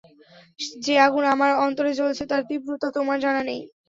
যে আগুন আমার অন্তরে জ্বলছে তার তীব্রতা তোমার জানা নেই।